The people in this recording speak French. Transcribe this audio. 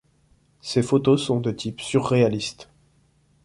Ses photos sont de type surréaliste.